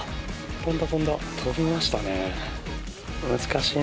飛びましたね。